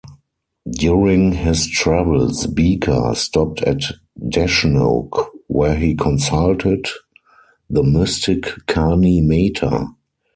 During his travels Bika stopped at Deshnoke where he consulted the mystic Karni Mata.